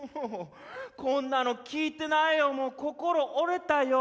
こんなの聞いてないよもう心折れたよ。